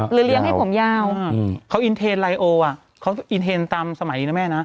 เลี้ยงให้ผมยาวเขาอินเทนไลโออ่ะเขาอินเทนตามสมัยนะแม่นะ